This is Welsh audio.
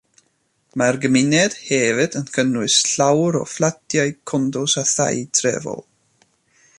Mae'r gymuned hefyd yn cynnwys llawer o fflatiau, condos a thai trefol.